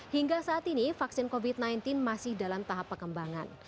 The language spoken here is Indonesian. hingga saat ini vaksin covid sembilan belas masih dalam tahap pengembangan